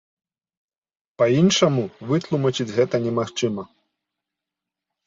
Па-іншаму вытлумачыць гэта немагчыма.